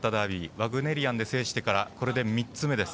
ワグネリアンで制してからこれで３つ目です。